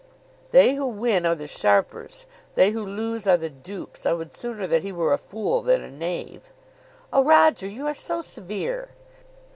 "They who win are the sharpers. They who lose are the dupes. I would sooner that he were a fool than a knave." "O Roger, you are so severe!"